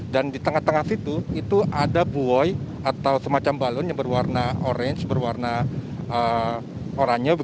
di tengah tengah situ itu ada buoy atau semacam balon yang berwarna orange berwarna oranye